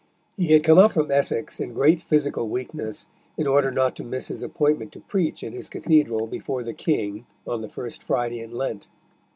He had come up from Essex in great physical weakness in order not to miss his appointment to preach in his cathedral before the King on the first Friday in Lent.